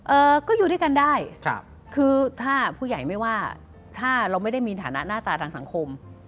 เอ่อก็อยู่ด้วยกันได้ครับคือถ้าผู้ใหญ่ไม่ว่าถ้าเราไม่ได้มีฐานะหน้าตาทางสังคม